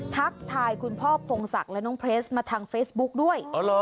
ทักทายคุณพ่อพงศักดิ์และน้องเพลสมาทางเฟซบุ๊กด้วย